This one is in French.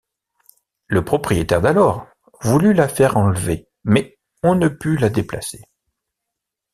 Le propriétaire d'alors voulut la faire enlever, mais on ne put la déplacer.